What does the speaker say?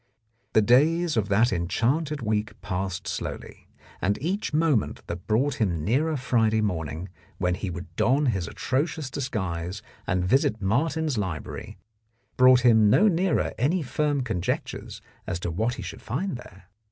The days of that enchanted week passed slowly, and each moment that brought him nearer Friday morning, when he would don his atrocious disguise and visit Martin's Library, brought him no nearer any firm conjectures as to what he should find there.